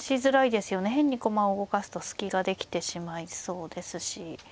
変に駒を動かすと隙ができてしまいそうですし。